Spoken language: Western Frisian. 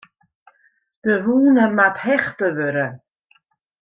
De wûne moat hechte wurde.